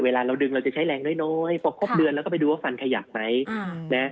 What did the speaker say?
เราดึงเราจะใช้แรงน้อยพอครบเดือนเราก็ไปดูว่าฟันขยับไหม